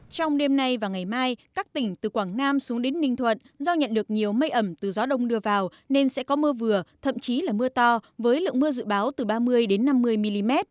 trong đêm nay và ngày mai các tỉnh từ quảng nam xuống đến ninh thuận do nhận được nhiều mây ẩm từ gió đông đưa vào nên sẽ có mưa vừa thậm chí là mưa to với lượng mưa dự báo từ ba mươi năm mươi mm